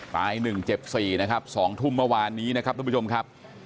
ตายหนึ่งเจ็บสี่นะครับสองทุ่มเมื่อวานนี้นะครับทุกผู้ชมครับ